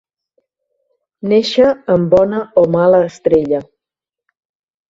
Néixer en bona o mala estrella.